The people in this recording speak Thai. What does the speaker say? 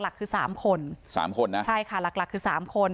หลักคือ๓คนใช่ค่ะหลักคือ๓คน